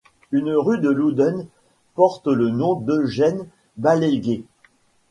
Une rue de Loudun porte le nom d'Eugène Balleyguier.